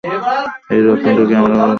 এই রত্নটাকে আমরা ওড়াবো কীকরে?